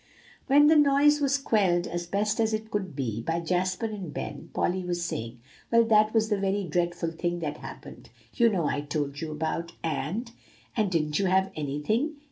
When the noise was quelled as best it could be, by Jasper and Ben, Polly was saying, "Well that was the very dreadful thing that happened, you know I told you about, and" "And didn't you have anything?"